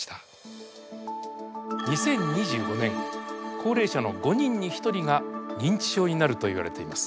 ２０２５年高齢者の５人に１人が認知症になるといわれています。